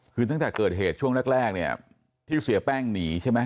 คือตั้งแต่เกิดเหตุช่วงแรกเนี่ยที่เสียแป้งหนีใช่ไหม